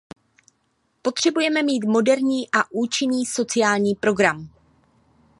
Potřebujeme mít moderní a účinný sociální program.